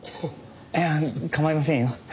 いや構いませんよ。